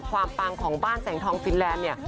ปังของบ้านแสงทองฟินแลนด์เนี่ย